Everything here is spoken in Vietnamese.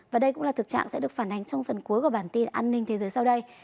và đây cũng là thực trạng sẽ được phản ánh trong phần cuối của bản tin an ninh thế giới sau đây